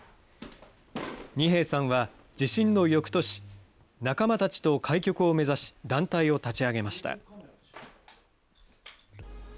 二瓶さんは、地震のよくとし、仲間たちと開局を目指し、団体を立ち上げました。